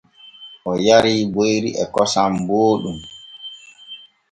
O yarii boyri e kosam booɗɗum.